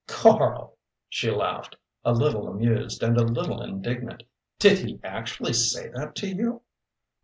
'" "Karl," she laughed, a little amused and a little indignant, "did he actually say that to you?"